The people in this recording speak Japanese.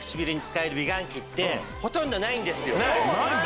ないんだ。